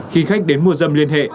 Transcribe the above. khi khách đến mua dâm liên hệ